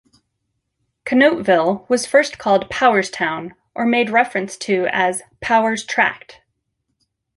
Conneautville was first called "Powerstown" or made reference to as "Power's Tract".